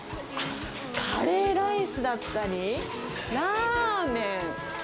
カレーライスだったり、ラーメン。